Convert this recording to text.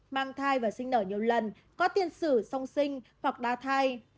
mang thai và sinh nở nhiều lần có tiên sử song sinh hoặc đa thai